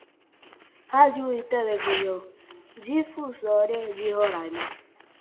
Rádio e Televisão Difusora de Roraima